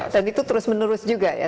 dan itu terus menerus juga ya